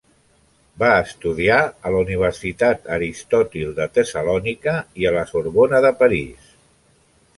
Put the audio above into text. Va estudiar a la Universitat Aristòtil de Tessalònica i a la Sorbona de París.